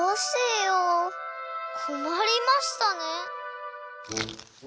こまりましたね。